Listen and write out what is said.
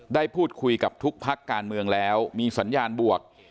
ได้พูดคุยกับทุกพักการเมืองแล้วมีสัญญาณบวก